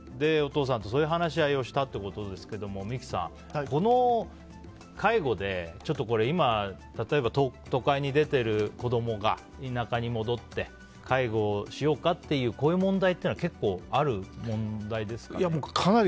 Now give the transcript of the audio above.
お父さんとそういう話し合いをしたということですけど三木さん、この介護で今、例えば都会に出ている子供が田舎に戻って介護をしようかっていうこういう問題っていうのは結構ある問題ですか。